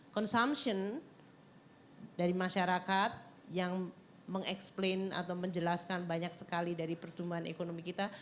consumption dari masyarakat yang mengeksplain atau menjelaskan banyak sekali dari pertumbuhan ekonomi kita